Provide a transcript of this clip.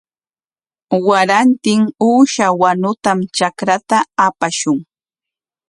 Warantin uusha wanutam trakrapa apashun.